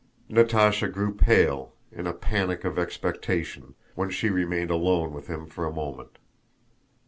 Natásha grew pale, in a panic of expectation, when she remained alone with him for a moment.